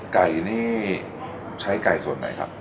ไก่นี่ใช้ไก่ส่วนไหนครับ